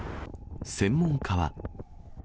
専門家は。